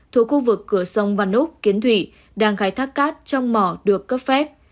thuộc khu vực cửa sông văn úc kiến thủy đang khai thác cát trong mò được cấp phép